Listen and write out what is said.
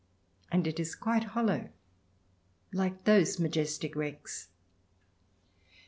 And it is quite hollow, like those majestic wrecks.